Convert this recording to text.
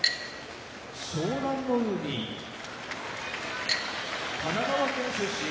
湘南乃海神奈川県出身